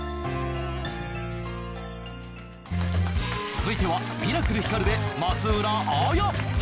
続いてはミラクルひかるで松浦亜弥！